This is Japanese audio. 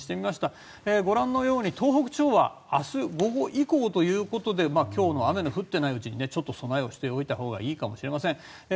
ご覧のように東北地方は明日の午後以降ということで今日の雨の降っていないうちに備えをしておいたほうがいいかもしれません。